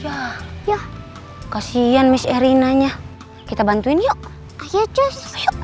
ya ya kasihan miss erina nya kita bantuin yuk ayo cus